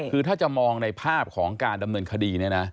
คือถ้าจะมองในภาพของการดำเนินคดี